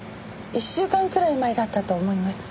１週間くらい前だったと思います。